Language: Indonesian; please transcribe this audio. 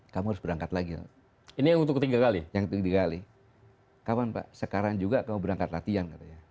kamu berangkat lagi ini untuk tinggal yang tinggi kali kapan pak sekarang juga kau berangkat latihan